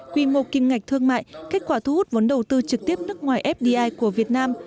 quy mô kim ngạch thương mại kết quả thu hút vốn đầu tư trực tiếp nước ngoài fdi của việt nam